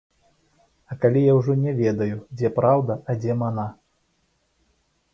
А калі я ўжо не ведаю, дзе праўда, а дзе мана.